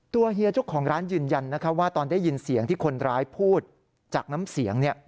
เฮียเจ้าของร้านยืนยันว่าตอนได้ยินเสียงที่คนร้ายพูดจากน้ำเสียง